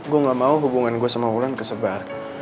gue nggak mau hubungan gue sama ulan kesebar